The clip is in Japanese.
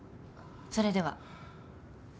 それでは。